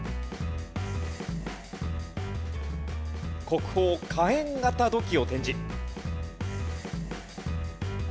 国宝火焔型土器を展示。